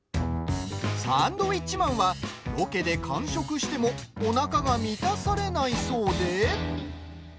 サンドウィッチマンはロケで完食してもおなかが満たされないそうで。